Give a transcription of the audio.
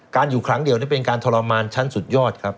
อยู่ครั้งเดียวนี่เป็นการทรมานชั้นสุดยอดครับ